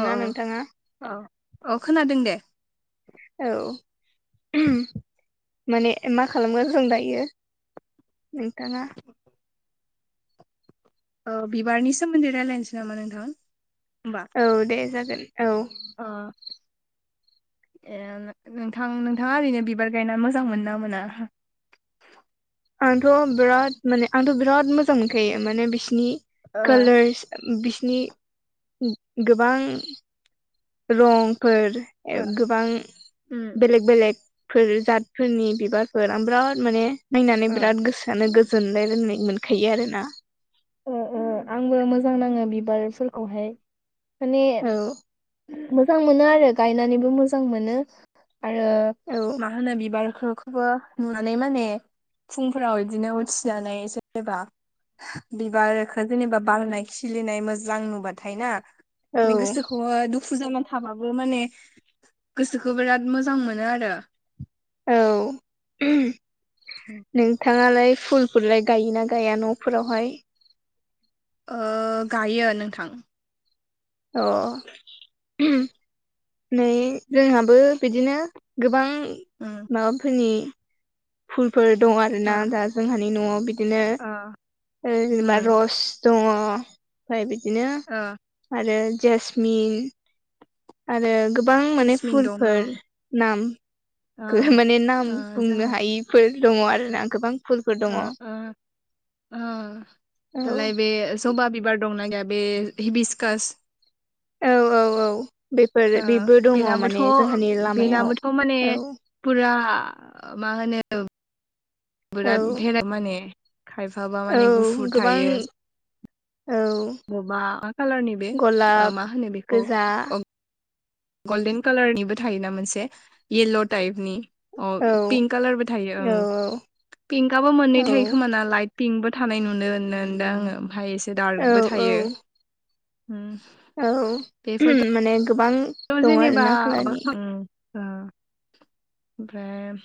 अ अ नोंथाङा औ अ खोनादों दे औ माने मा खालामगोन जों दायो नोंथाङा औ बिबारनि सोमोन्दै रायज्लायनोसै नामा नोंथां होमबा औ दे जागोन औ अ ए नोंथां नोंथाङा ओरैनो बिबार गायना मोजां मोनोना मोना आंथ' बिराद माने आंथ' बिराद मोजां मोनखायो माने बिसिनि ओ कालारस बिसिनि गोबां रंफोर ए गोबां उम बेलेग बेलेगफोर जातफोरनि बिबारफोर आं बिराद माने नायनानै ओ बिराद गोसोआनो गो जोनलाय लायनाय मोनखायो आरो ना उम उम आंबो मोजां नाङो बिबारफोरखौहाय माने औ मोजां मोनो आरो गायनानैबो मोजां मोनो आरो औ माहोनो बिबारखौ बो नुनानै माने फुंफोराव बिदिनो उथिजनानै जेनेबा बिबारखो जेनेबा बारनाय खिलिनाय मोजां नुबाथाय ना औ माने गोसोख खौहा दुखु जाना थाबाबो माने गोसोखौ बिराद मोजां मोनो आरो औ नोंथां नालाय फुलफोरलाय गायोना गाया न'फोरावहाय ओ गायो नोंथां अ नै जोंहाबो बिदिनो गोबां उम माबाफोरनि फुलफोर दं आरोना ओ दा जोंहानि न'आव बिदिनो ओ उम जेनेबा रस दङ ओमफाय बिदिनो ओ आरो जेसमिन आरो गोबां माने जेसमिन दङ फुलफोर नाम ओ गो माने नाम ओ जोङो बुंनो हायिफोर दङ आरोना गोबां फुलफोर दङ ओ औ ओ ओ दालाय औ बे जबा बिबार दंना गैया बे हिबिस्कास औ औ औ बेफोर ओ बेबो दङ बेनाबोथ' माने जोंहानि लामायाव बेनाबोथ' माने औ फुरा मा होनो औ बिराद भेरा माने खायफाबा औ माने गुफुर गोबां थायो औ बबेबा मा कालारनि बे मा होनो बेखौ दा गल्डेन कालार निबो थायोना मोनसे येल्ल' टाइपनि अ औ पिंक कालारबो थायो औ ओं पिंकआबो मोननै औ थायो खोमा ना लाइट पिंकबो थानाय नुनो नोदों आङो ओमफ्राय एसे औ दार्कबो थायो औ औ बेफोरथ' माने गोबां दङ जेनेबा आरोना माबा खालारनि खालामो ओमफ्राय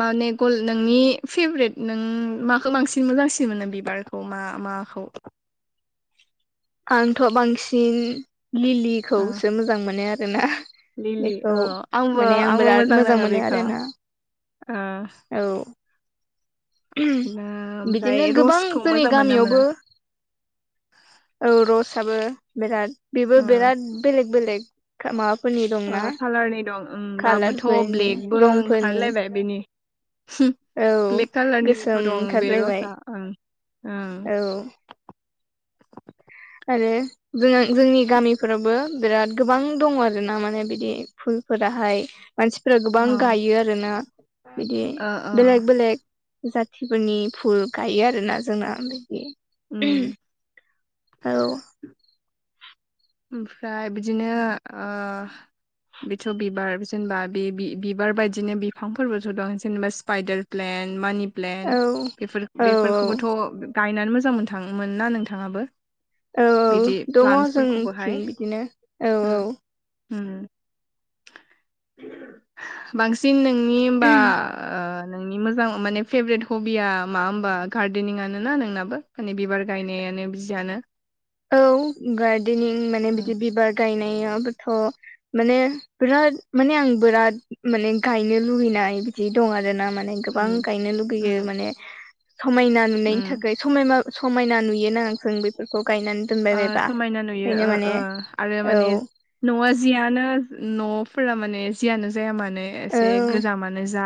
माने गल नोंनि फेभरेट नों माखौ बांसिन मोजांसिन मोनो बिबार खौ मा माखौ? आंथ' बांसिन ओ लिलिखौसो मोजां मोनो आरोना। लिलि औ बेखौ आंबो माने आं आंबो बिराद मोजां नाङो मोनो बेखौ आरोना। ओ औ ना ओमफ्राय बिदिनो गोबां रसखौ जोंनि मोजां मोनो ना मोना गामियावबो औ रसाबो बिराद बेबो ओ बिराद बेलेग बेलेग माबाफोरनि दं ओ ना कालारनि दं ओं दाबोथ' कालारफोरनि ब्लेकबो रंफोरनि ओंखारलायबाय बेनि औ ब्लेक गोसोम कालारनिबोथ' दं बे रस ओंखारलायबाय आ ओं ओं औ आरो जों जोंनि गामिफोरावबो बिराद गोबां दङ आरोना माने बिदि फुलफोराहाय मानसिफोरा गोबां औ गायो आरोना बिदि ओ ओ बेलेग बेलेग जाथिफोरनि फुल गायो आरोना जोंना बेदि उम औ ओमफ्राय बिदिनो बेथ' बिबार जेनेबा बे बिबार बायदिनो बिफांफोरबोथ' दं जेनेबा स्पाइदार प्लेन मानि प्लेन औ बे औ बेफोरखौबोथ' गायनानै मोजां मोनथां मोनो ना नोंथाङाबो औ बिदि दङ जोंथिं प्लान्टसफोरखौबोहाय बिदिनो औ औ बांसिन नोंनि बा ओ नोंनि मोजां माने फेभरेट हबिया मा होमबा गार्देनिंयानो ना नोंनाबो? माने बिबार गायनायानो बियानो औ गार्डननिं माने उम बिदि बिबार गायनायाबोथ' माने बिराद माने आं बिराद माने गायनो लुबैनाय बिदि दं आरोना माने गोबां उम गायनो लुुबैयो उम माने समायना नुनायनि उम थाखाय समायमा समायना नुयोोनाङा जों बेफोरखौ गायनानै दोनबाय बायबा समायना नुयो ओंखायनो माने आरो औ माने न'आ जियानो न'फोरा माने जियानो जायामोन औ एसे गोजामानो जा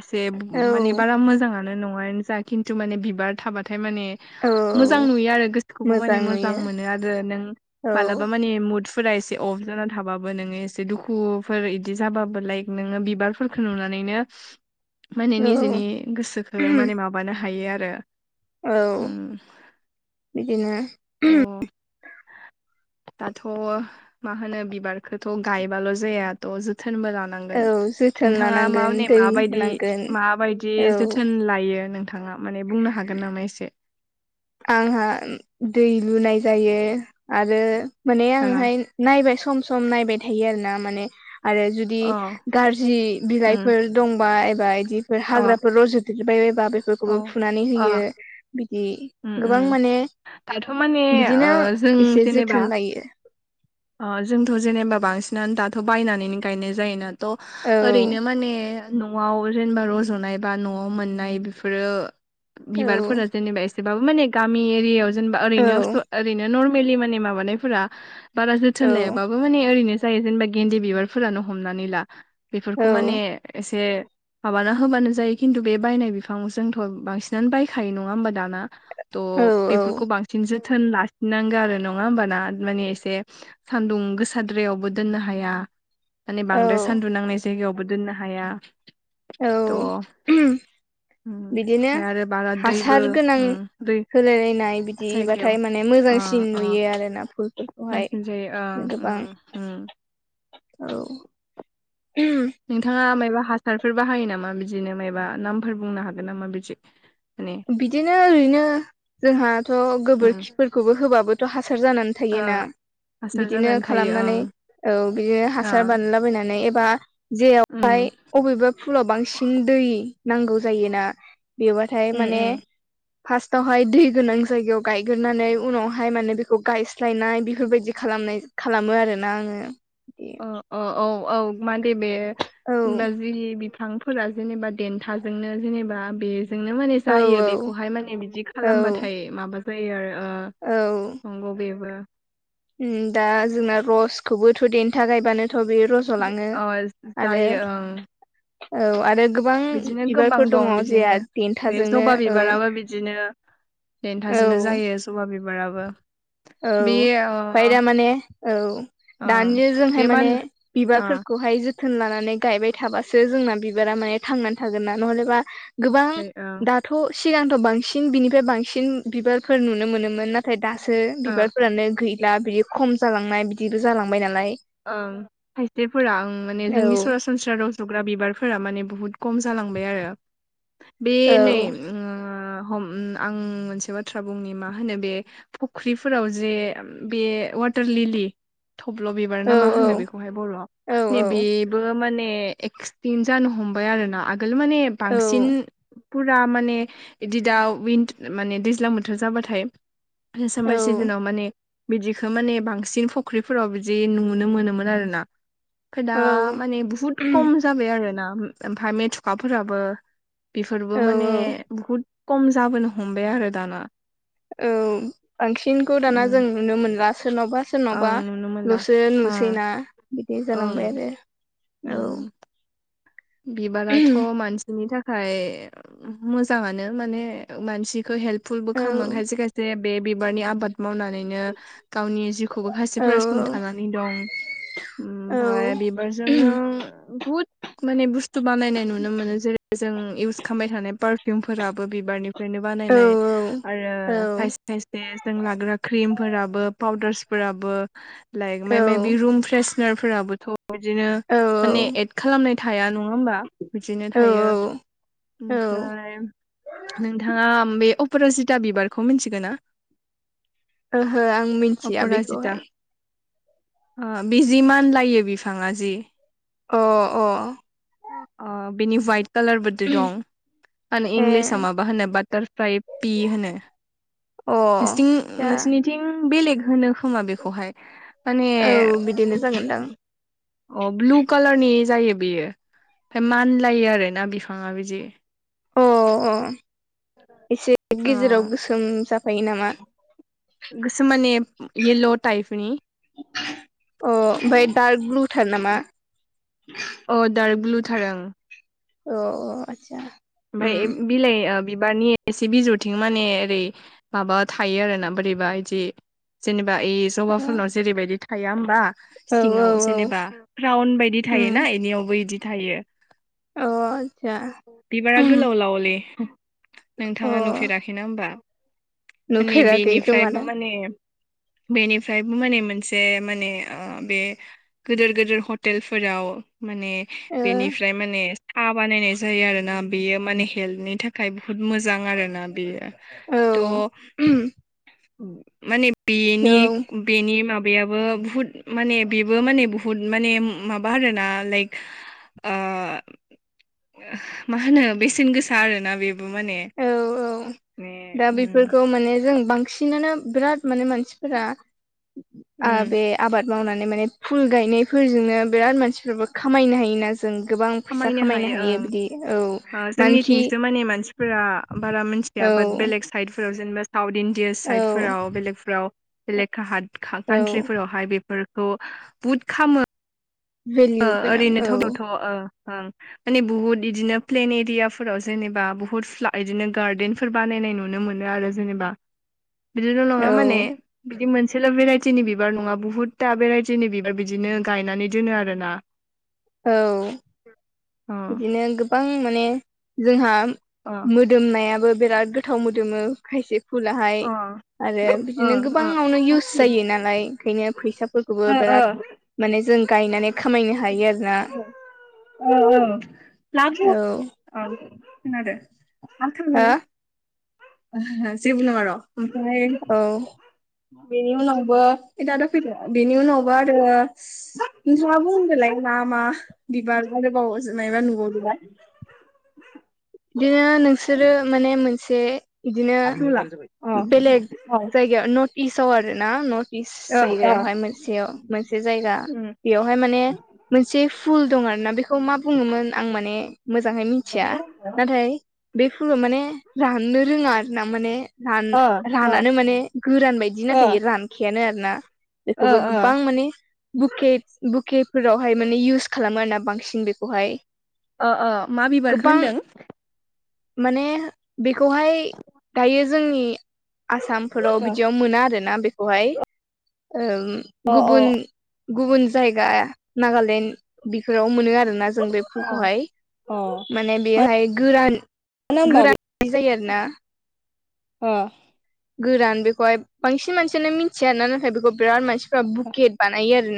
एसे औ माने बारा मोजाङानो नङानो जा खिन्थु माने बिबार थाबाथाय माने मोजां औ नुयो आरो गोसोखौबो माने मोजां मोनो आरो नों औ मालाबा मानि मुदस फोरा एसे अफ जानानै थाबाबो नोङो एसे दुखुफोर इदि जाबाबो लाइक नोङो बिबारफोरखौो नुनानैनो माने औ निजेनि गोसोखो माने माबानो हायो आरो औ उम बिदिनो थ' दाथ' मा होनो बिबारखौथ' गायबाल' जाया थ' जोथोनबो लान औ नांगोन जोथोन नोंथाङा लानांगोन माबनै दै माबायदि होनांगोन माबायदि औ जोथोन लायो नों थाङा माने बुंनो हागोन नामा एसे? आंहा दै लुनाय जायो आरो माने ओ आंहाय नायबाय सम सम नायबाय थायो आरोना माने आरो जुदि अ गाज्रि उम बिलाइफोर दंबा एबा बिदिफोर अ हाग्राफोर रज'देरबायबायबा औ बेफोरखौबो फुनानै अ होयो बिदि उम गोबां उम माने दाथ' माने ओ बिदिनो जों एसे जेनेबा जोथोन लायो। ओ जोंथ' जेनेबा बांसिनानो दाथ' बायनानैनो गायनाय जायोना थ' औ ओरैनो माने न'आव जेनेबा रज'नाय बा न'आव मोननाय बेफोरो औ बिबारफोरा जेनेबा एस एसेबाबो माने गामि एरियायाव जेनेबा औ ओरैनो स ओरैनो नरमेलि माने माबानायफोरा बारा जोथोन औ लायाबाबो माने ओरैनो जायो जेनेबा गेन्दि बिबारफोरानो हमनानै ला। बेफोरखौ औ माने एसे माबाना होबानो जायो खिन्थु बे बायनाय बिफां जोंथ' बांसिनानो बायखायो नङा होमबा दाना। थ' औ औ बेफोरखौ बांसिन जोथोन लाखिनांगो आरो नङा होमबा ना माने एसे। सान्दुं गोसाद्रायावबो दोननो हाया माने औ बांद्राय सान्दुं नांनाय गायावबो दोननो हाया। थ' औ उम [unintelligible] बिदिनो ओमफ्राय आरो बारा दैबो हासार गोनां उम दै होलायलायनाय बिदि जायगायाव बिबाथाय माने मोजांसिन नुयो आरो ना फुलखो। बांसिन जायो आ उम हुम। औ [unintelligible] नोंथाङा मायबा हासारफोर बाहायो नामा बिदिनो मायबा नामफोर बुंनो हागोन नामा बिदि? माने बिदिनो ओरैनो जोंहाथ' उम गोबोरखिफोरखौबो होबाबो थ' हासार जानानै ओ थायोना। हासार बिदिनो जानानै थायो ओं खालामनानै औ बिदिनो ओ हासार बानायलाबायनानै एबा उम जेरावहाय अबेबा फुलाव बांसिन दै नांगौ जायोना बेवबाथाय उम माने उम फास्टावहाय दै गोनां जायगायाव गायगोरनानै उनावहाय माने बेखौ गायस स्लायनाय बेफोरबायदि खालामनाय खालामो आरोना आङो। ओ ओ औ औ मानदे बे औ जेनेबा बि बिफां फोरा जेनेबा देन्थाजोंनो जेनेबा बे जोंनो माने औ जायो औ बेखौहाय माने बिदि औ खालामबाथाय माबा जायो आरो ओ औ। नंगौ बेबो। उम दा जोंना रसखौबोथ' देन्था गायबानोथ' बेयो रस जलाङो अ आरो जायो ओं औ आरो गोबां बिदिनो गोबां बिबारफोर दङ दं बिदिनो जेआ बे देन्थाजोंनो जबा औ। बिबाराबो बिदिनो औ देन्थाजोंनो जायो जबा बिबाराबो। बे औ। ओ ओमफाय दा माने औ ओ दानिया जोंहाय बे मा माने होनो ओ बिबारफोरखौहाय जो जोथोन लानानै गायबाय थाबासो जोंना बिबारा माने थांनानै थागोन ना नहलेबा गोबां ओ दा थ' सिगांथ' बांसिन बिनिफ्राय बांसिन बिबारफोर नुनो मोनोमोन नाथाय दासो ओ बिबारफोरानो गैला बेयो खम जालांनाय बिदिबो जालांबाय नालाय। ओं खायसेफोरा उम माने जोंनि औ सरास सनस्रा रज'ग्रा बिबारफोरा माने बुहुत खम जालांबाय आरो बे औ नै उम हम आं मोनसे बाथ्रा बुंनि मा होनो बे फुख्रिफोराव जे बे वाटार लिलि थब्ल' बिबार औ ना मा होनो बेखौहाय बर'आव औ नैबेबो माने एक्सटिम जानो हमबाय आरो ना आगोल माने औ बांसिन फुरा माने इदि दा विन माने दैज्लां बोथोर जाबाथाय औ सामार सिजोनाव माने बिदिखो माने बांसिन फुख्रिफोराव बिद जे नुनो मोनोमोन आरो ना। खो दा औ माने बुहुत खम जाबाय आरो ना। ओमफाय मेथुखाफोराबो बेफोरबो औ माने बहुद खम जाबोनो हमबाय आरो दाना। औ बांसिनखौ दाना जों उम नुनो मोनला सोरनावबा ओं सोरनावबा नुनो मोनला ल'सो हा नुसैना बिदि जालांबाय ओं आरो औ उम बिबाराथ' मानसिनि था फाय मोजाङानो माने मानसिखो हेल्पफुलबो औ खामो खायसे खायसे बे बिबारनि आबाद मावनानैनो गावनि जिउखौबो औ खायसेफोरा सुंथानानै दं। औ ओमफाय औ बिबारजोंनो बहुद माने बुस्थु बानायनाय नुनो मोनो जेरै जों इउस खामबाय थानाय पारफिउमफोराबो बिबारनि फ्रायनो औ बानायनाय आरो खायसे खायसे जों लाग्रा क्रिमफोराबो पाउदारस फोराबो लाइक माय मायबि बे रुम फ्रेसनार फोराबोथ' बिदिनो माने औ एद खालामनाय थाया नङा होमबा बिदिनो औ थायो। औ। ओमफ्राय नोंथाङा बे अपराजिता बिबारखौ मिथिगो ना ओहो आं मिथिया बेखौहाय अपराजिता अ बिजि मानलायो बिफाङा जि अ अ अ बेनि वाइट कालार बोदि दं मा होनो ए इंलिस आ माबा होनो बाटार फ्लाय पि होनो। अ नोंसिथि जा नोंसिनि थिं बेलेग होनो खोमा बेखौहाय माने औ बिदिनो जागोनदां औ अ ब्लु कालारनि जायो। बेयो ओमफ्राय मानलायो आरो ना बिफाङा बिदि अ अ एसे अ गेजेराव गोसोम जाफायो नामा? गोसोम माने येल' टाइफनि अ ओमफ्राय दार्क ब्लुथार नामा? अ डार्क ब्लुथार ओं अ औ आतसा ओमफाय उम [unintelligible] बिलाइ बिबारनि एसे बिजौथिं माने ओरै माबा थायो आरोना बोरैबा इदि जेनेबा ए जबाफोरनाव जेरैबायदि थाया होमबा औ औ सिङाव औ जेनेबा प्राउन बायदि उम थायोना इनियावबो इदि थायो अ आदसा बिबारा गोलाव लाव लै नोंथाङा अ नुफेराखैना होमबा? माने नुफेराखै खोमादां बेनिफ्रायबो माने बेनिफ्रायबो माने मोनसे माने ओ बे गोदोर गोदोर हटेलफोराव माने ओ बेनिफ्राय माने साहा बानायनाय जायो आरो ना। बेयो माने हेल्थनि थाखाय बुहुत मोजां आरोना बेयो औ थ' [unintelligible] माने बेनि औ बेनि माबायाबो बुहुद माने बेबो माने बुहुद माने माबा आरोना लाइक ओ मा होनो बेसेन गोसा आरोना बेबो माने औ औ [inaudible] दा उम बेफोरखौ माने जों बांसिनानो बिराद माने मानसिफोरा आ उम बे आबाद मावनानै माने फुल गायनायफोरजोंनो बिराद मानसिफोराबो खामायनो हायोना जों गोबां फैसा खामायनो हायो बिदि औ ओ मानखि जोंनिथिंसो माने मानसिफोरा बारा मिथिया बाट औ बेलेग साइडफोराव जेनेबा साउथ इन औ साइद फोराव बेलेकफोराव बेलेग औ का-कान्ट्रिफोरावहाय बेफोर खौ बुद खामो ओ भेलिउ गोनां ओरैनो औ थबावथ' ओ ओं माने बुहुत इदिनो प्लेन एरियाफोराव जेनेबा बुहुत [unintelligible] इदिनो गार्देन फोर बानायनाय नुनो मोनो आरो जेनेबा बिदिल' औ नङा माने बिदि मोनसेल' भेराइटिनि बिबार नङा बहुतथा भेराइटिनि बिबार बिदिनो गायनानै दोनो आरो। ना औ औ [unintelligible] बिदिनो गोबां माने जोंहा अ मोदोमनायाबो बिराद गोथाव मोदोमो खायसे फुलाहाय अ ओ आरो ओ बिदिनो गोबाङावनो इउस जायो नालाय ओंखायनो फैसाफोरखौबो ओ बिराद माने जों गायनानै खामायनो हायो आरोना। ओ ओ औ औ माथो औ हो [unintelligible] जेबो नङा र' ओमफ्राय औ बेनि उनावबो दादा फैदों बेनि उनावबो आरो नोंथाङाबो बुंदोलाय मा मा बिबार आरोबाव मायबा नुबाव दोबा। बिदिनो नोंसोरो माने मोनसे बिदिनो जला अ बेलेग अ जायगायाव नथ इस्टआव आरो ना नर्थ इस्ट अ जायगायावहाय मोनसेयाव मोनसे जायगा। बेयावहाय माने मोनसे फुल दं आर ना। बेखौ मा बुङोमोन? आं माने मोजाङै मिथिया नाथाय बे फुलाव माने राननो रोङा आर ना माने रान अ रानानो माने गोरान बायदि नाथाय रानखायानो आर ना। बेखौबो अ अ गोबां माने बुके बुके फोरावहाय माने इउस खालामो आरो ना बांसिन बेखौहाय। अ अ मा बिबारखौ गोबां होनदों? माने बेखौहाय दायो जोंनि आसामफोराव अ बिदियाव मोना आरोना बेखौहाय ओ अ अ गुबुन गुबुन जायगा नागालेण्ड बेफोराव मोनो आरोना जों बे अ खौहाय अ माने बेहाय गोरान होमबा बे गोरान जायो आरो ना अ गोरान बेखौहाय बांसिन मानसियानो मिथिया आरोना नाथाय बेखौ बिराद मानसिफ्रा बुकेट बानायो आरो ना।